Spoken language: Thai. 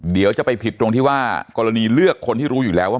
เดี๋ยวจะไปผิดตรงที่ว่ากรณีเลือกคนที่รู้อยู่แล้วว่า